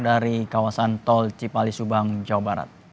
dari kawasan tol cipali subang jawa barat